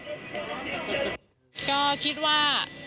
ก็คิดว่า